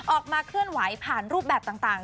ออกมาเคลื่อนไหวผ่านรูปแบบต่าง